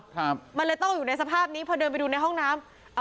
ครับมันเลยต้องอยู่ในสภาพนี้พอเดินไปดูในห้องน้ำอ่า